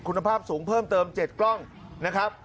คุณภาพสูงเพิ่มเติม๗กล้องนะครับ